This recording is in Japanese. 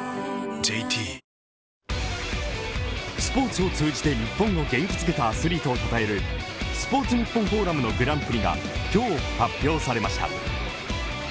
ＪＴスポーツを通じて日本を元気づけたアスリートをたたえるスポーツフォーラムのグランプリが今日発表されました。